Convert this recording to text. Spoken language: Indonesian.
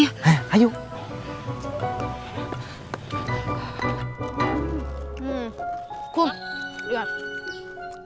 tadi bilang nyate malu maluin